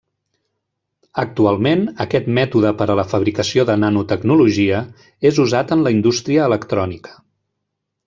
Actualment aquest mètode per a la fabricació de nanotecnologia és usat en la indústria electrònica.